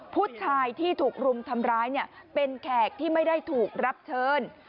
ผู้ชายที่ถูกรุมทำร้ายเป็นแขกที่ไม่ได้ถูกรับเชิญ